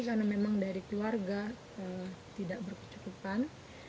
karena memang dari keluarga tidak berkecukupan